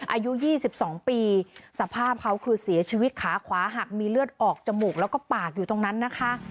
อายุ๒๒ปีสภาพเขาคือเสียชีวิตขาขวาหักมีเลือดออกจมูกแล้วก็ปากอยู่ตรงนั้นนะคะ